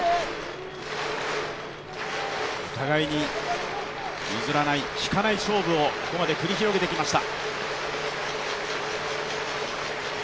互いに譲らない、引かない勝負をここまで繰り広げてきました。